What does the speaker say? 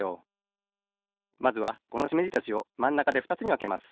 まずはこのしめじたちをまんなかでふたつにわけます。